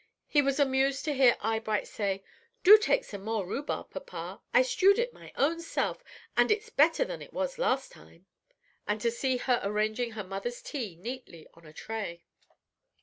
He was amused to hear Eyebright say, "Do take some more rhubarb, papa. I stewed it my own self, and it's better than it was last time," and to see her arranging her mother's tea neatly on a tray.